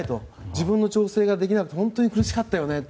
自分の調整ができなくて本当に苦しかったよね。